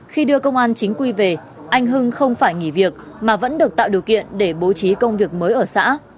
khi đưa công an chính quy về anh hưng không phải nghỉ việc mà vẫn được tạo điều kiện để bố trí công việc mới ở xã